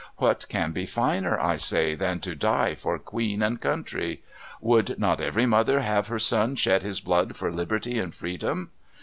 What can be finer, I say, than to die for Queen and country? Would not every mother have her son shed his blood for liberty and freedom?...